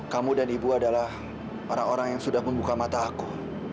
kamu dan ibu adalah orang orang yang sudah membuka mata aku